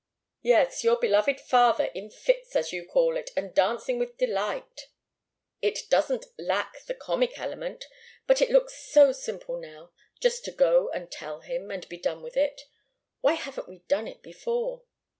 "Yes your beloved father in fits, as you call it and dancing with delight it doesn't lack the comic element. But it looks so simple now, just to go and tell him, and be done with it. Why haven't we done it before?"